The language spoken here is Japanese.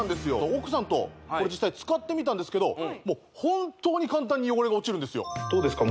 奥さんとこれ実際使ってみたんですけど本当に簡単に汚れが落ちるんですよどうですか？